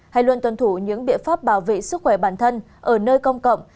hay luôn tuân thủ những biện pháp bảo vệ sức khỏe bản thân ở nơi công cộng